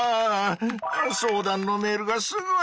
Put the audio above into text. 相談のメールがすごい！